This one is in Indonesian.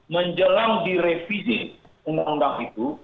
menjelang direvisi undang undang itu